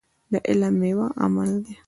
د علم ميوه عمل دی.